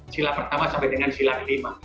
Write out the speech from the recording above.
sila pertama sampai dengan sila kelima